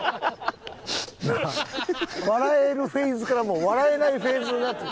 なあ笑えるフェーズからもう笑えないフェーズになって。